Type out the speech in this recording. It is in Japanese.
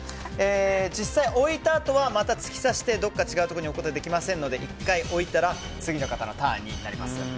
実際、置いたあとはまた突き刺してどこか違うところに置くことはできないので１回置いたら次の方のターンになります。